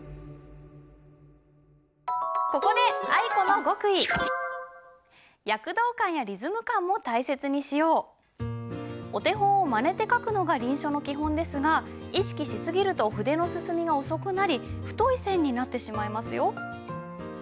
ここでお手本をまねて書くのが臨書の基本ですが意識し過ぎると筆の進みが遅くなり太い線になってしまいますよ。